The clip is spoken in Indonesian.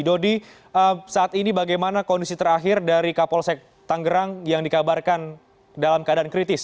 dodi saat ini bagaimana kondisi terakhir dari kapolsek tanggerang yang dikabarkan dalam keadaan kritis